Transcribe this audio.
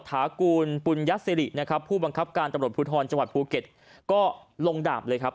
ถากูลปุญญสิรินะครับผู้บังคับการตำรวจภูทรจังหวัดภูเก็ตก็ลงดาบเลยครับ